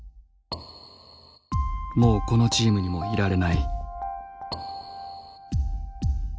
もうこのチームにもいられない。